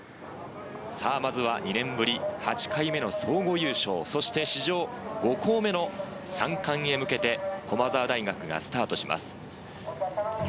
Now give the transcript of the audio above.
まずは２年ぶり８回目の総合優勝、そして史上５校目の三冠へ向けて駒澤大学がスタートします。